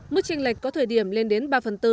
mức tranh lệch có thời điểm lên đến ba phần tư